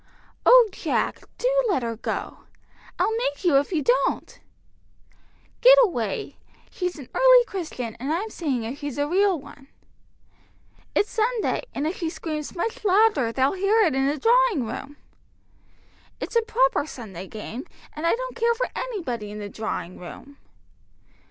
"Oh, Jack! do let her go! I'll make you if you don't!" "Get away! She's an early Christian, and I'm seeing if she's a real one." "It's Sunday, and if she screams much louder, they'll hear in the drawing room." "It's a proper Sunday game, and I don't care for anybody in the drawing room!"